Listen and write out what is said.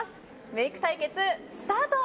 メイク対決スタート。